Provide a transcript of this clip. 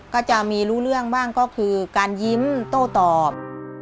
ก็จะมีรู้เรื่องบ้างก็คือการยิ้มโต้ตอบ